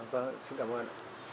vâng xin cảm ơn